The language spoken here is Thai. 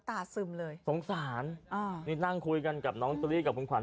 ซึมเลยสงสารอ่านี่นั่งคุยกันกับน้องตอรี่กับคุณขวั